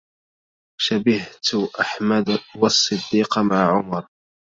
شبهت أحمد والصديق مع عمر